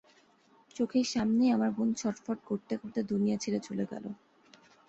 চোখের সামনেই আমার বোন ছটফট করতে করতে দুনিয়া ছেড়ে চলে গেল।